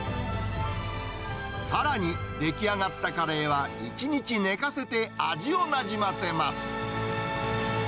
さらに、出来上がったカレーは、１日寝かせて、味をなじませます。